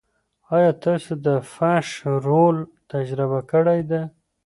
ایا تاسو د فش رول تجربه کړې ده؟